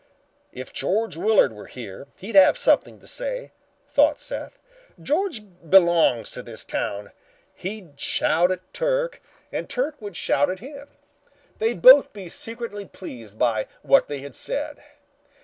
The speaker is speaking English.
"If George Willard were here, he'd have something to say," thought Seth. "George belongs to this town. He'd shout at Turk and Turk would shout at him. They'd both be secretly pleased by what they had said.